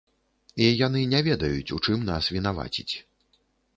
І яны не ведаюць, у чым нас вінаваціць.